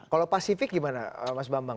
kalau pasifik gimana mas bambang